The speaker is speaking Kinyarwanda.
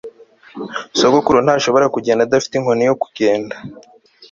Sogokuru ntashobora kugenda adafite inkoni yo kugenda